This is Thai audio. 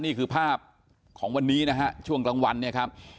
นี่คือภาพของวันนี้นะฮะช่วงกลางวันเนี่ยครับ